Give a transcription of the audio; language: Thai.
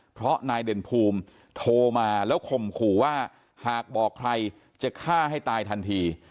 เพราะนายเด่นภูมิโทรมาแล้วข่มขู่ว่าหากบอกใครจะฆ่าให้ตายทันที